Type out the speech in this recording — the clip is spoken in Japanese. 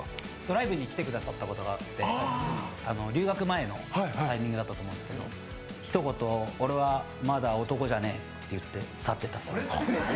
ライブに来てくださったことがあって、留学前のタイミングだったと思うんですけどひと言、俺はまだ男じゃねえって言って去ってった。